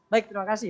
baik terima kasih